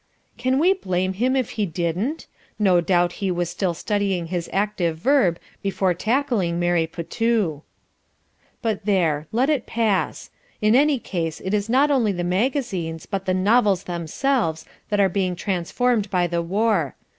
Can we blame him if he didn't? No doubt he was still studying his active verb before tackling Mere Pitou. But there! Let it pass. In any case it is not only the magazines, but the novels themselves, that are being transformed by the war.